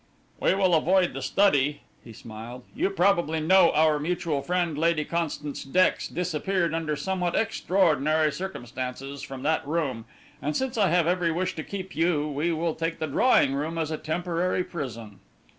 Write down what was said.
"We will avoid the study," he smiled; "you probably know our mutual friend Lady Constance Dex disappeared under somewhat extraordinary circumstances from that room, and since I have every wish to keep you, we will take the drawing room as a temporary prison."